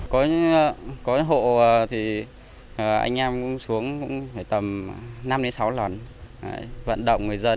có những hộ thì anh em xuống cũng phải tầm năm sáu lần vận động người dân